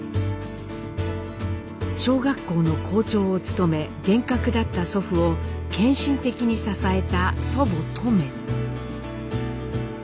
小学校の校長を務め厳格だった祖父を献身的に支えた祖母トメ。